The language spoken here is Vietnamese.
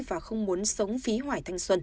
và không muốn sống phí